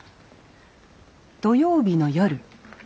土曜日の夜